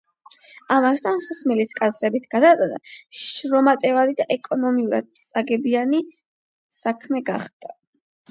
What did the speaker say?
ამასთან, სასმელის კასრებით გადატანა შრომატევადი და ეკონომიურად წაგებიანი საქმე გახდა.